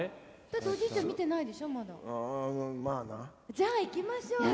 じゃあ行きましょうよ！